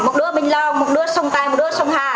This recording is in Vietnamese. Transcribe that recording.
một đứa bình long một đứa sông tai một đứa sông hà